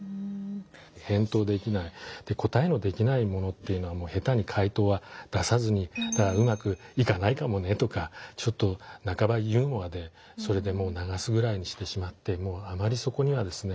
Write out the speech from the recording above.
返答できない答えのできないものっていうのは下手に回答は出さずにただ「うまくいかないかもね」とかちょっと半ばユーモアでそれでもうながすぐらいにしてしまってあまりそこにはですね